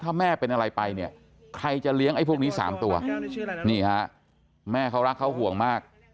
ถ้าแม่เป็นอะไรไปเนี่ยใครจะเลี้ยงไอ้พวกนี้๓ตัวนี่ฮะแม่เขารักเขาห่วงมาก